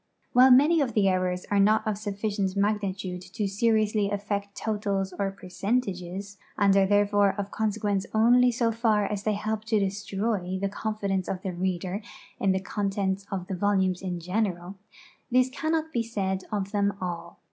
While many of tlie errons are not of sufficient magnitude to seriously affect totals or percentages, and are therefore of consequence only so far as they help fo di stroy the conli •lenceof the reader in the I'ontentsof the volumes in general, this cannot be said of them all.